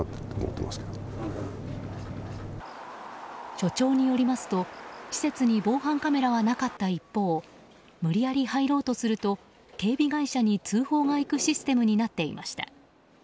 所長によりますと施設に防犯カメラはなかった一方無理やり入ろうとすると警備会社に通報が行くシステムになっていました。